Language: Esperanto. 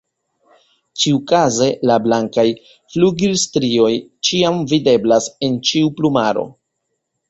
Ĉiukaze la blankaj flugilstrioj ĉiam videblas en ĉiu plumaro.